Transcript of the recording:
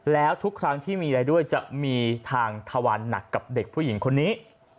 แล้วทุกครั้งที่มีอะไรด้วยจะมีทางทวันหนักกับเด็กผู้หญิงคนนี้